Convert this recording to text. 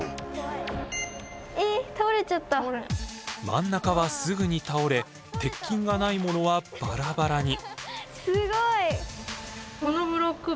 真ん中はすぐに倒れ鉄筋がないものはバラバラに。